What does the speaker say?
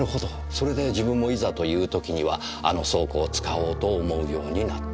それで自分もいざという時にはあの倉庫を使おうと思うようになった。